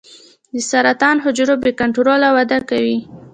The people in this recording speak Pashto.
د سرطان حجرو بې کنټروله وده کوي.